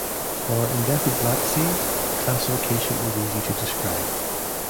For indefinite lattices, the classification is easy to describe.